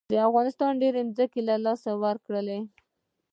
افغانستان ډېرې ځمکې له لاسه ورکړې.